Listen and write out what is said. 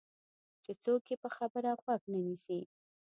چې څوک یې پر خبره غوږ نه نیسي.